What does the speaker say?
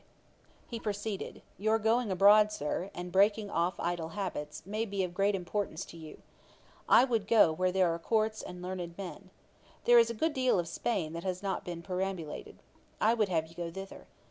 [Page 410: Johnson's kindness of heart. A.D. 1763.] He proceeded: 'Your going abroad, Sir, and breaking off idle habits, may be of great importance to you. I would go where there are courts and learned men. There is a good deal of Spain that has not been perambulated. I would have you go thither.